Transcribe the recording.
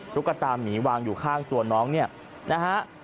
ตุ๊กตามีวางอยู่ข้างตัวน้องเนี่ยนะฮะ